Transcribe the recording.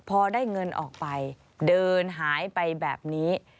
พอได้เงินออกไปเดินหายไปแบบนี้